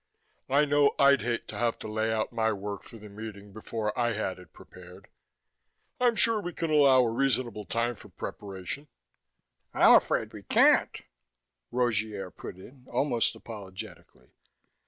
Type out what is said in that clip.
"I know I'd hate to have to lay out my work for the meeting before I had it prepared. I'm sure we can allow a reasonable time for preparation " "I'm afraid we can't," Rogier put in, almost apologetically.